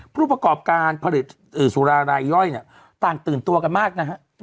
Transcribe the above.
ผู้ประกอบการผลิตสุรารายย่อยเนี่ยต่างตื่นตัวกันมากนะฮะ